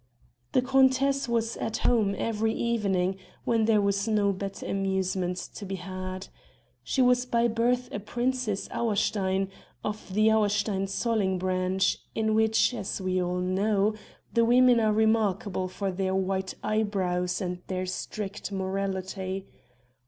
The countess was "at home" every evening when there was no better amusement to be had. She was by birth a princess Auerstein, of the Auerstein Zolling branch, in which as we all know the women are remarkable for their white eyebrows and their strict morality.